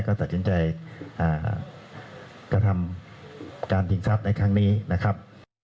ก็ตัดสินใจกระทำการชิงทรัพย์ในครั้งนี้นะครับ